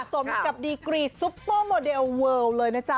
สมกับดีกรีซุปเปอร์โมเดลเวิลเลยนะจ๊